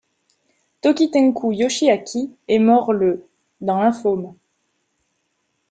Tokitenkū Yoshiaki est mort le d'un lymphome.